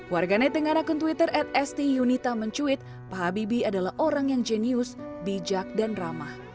warganet dengan akun twitter at esti yunita mencuit pak habibie adalah orang yang jenius bijak dan ramah